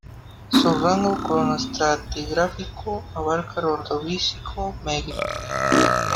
Su rango cronoestratigráfico abarca el Ordovícico medio.